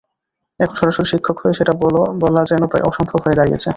এখন সরাসরি শিক্ষক হয়ে সেটা বলা যেন প্রায় অসম্ভব হয়ে দাঁড়িয়েছে।